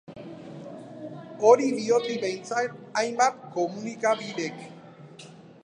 Hori diote behintzat hainbat komunikabidek.